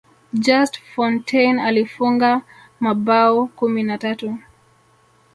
just fontaine alifunga mabao kumi na tatu